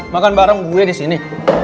makan bareng gue disini